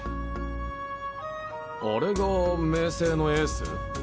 あれが明青のエース？